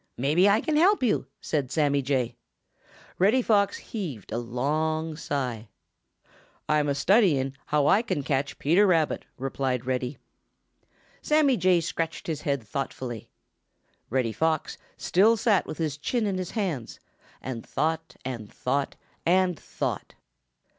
Perhaps I can help you," said Sammy Jay. Reddy Fox heaved a long sigh. "I'm a studying how I can catch Peter Rabbit," replied Reddy. Sammy Jay scratched his head thoughtfully. Reddy Fox still sat with his chin in his hands and thought and thought and thought.